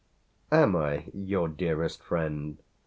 "Am I your dearest friend?"